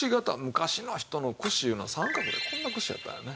昔の人の櫛いうのは三角でこんな櫛やったんやね。